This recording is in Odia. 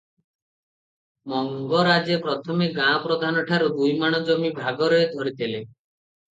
ମଙ୍ଗରାଜେ ପ୍ରଥମେ ଗାଁ ପ୍ରଧାନ ଠାରୁ ଦୁଇମାଣ ଜମି ଭାଗରେ ଧରିଥିଲେ ।